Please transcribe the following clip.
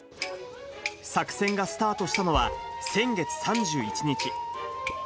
作戦がスタートしたのは先月３１日。